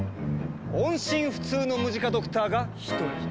音信不通のムジカドクターが１人。